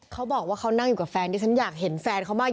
เขาบอกว่าเขานั่งอยู่กับแฟนที่ฉันอยากเห็นแฟนเขามาก